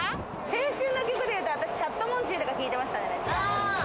青春の曲でいうと、私チャットモンチーとか聞いてましたね。